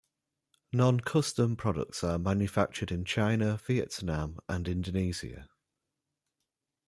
Non-custom products are manufactured in China, Vietnam, and Indonesia.